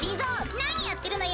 なにやってるのよ。